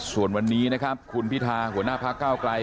ส่วนวันนี้นะครับคุณพิธาหัวหน้าพระเก้าไกล